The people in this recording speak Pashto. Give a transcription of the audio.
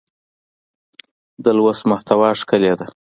د لوست محتوا ښکلې ده.